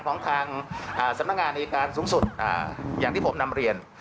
ของทางสำนักงานอายการสูงสุดอย่างที่ผมนำเรียน